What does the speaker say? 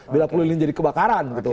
bila puluh lilin jadi kebakaran